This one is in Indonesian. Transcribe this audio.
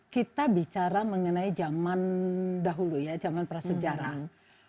kita bicara mengenai zaman dahulu ya zaman prasejarang